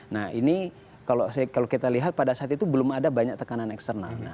nah ini kalau kita lihat pada saat itu belum ada banyak tekanan eksternal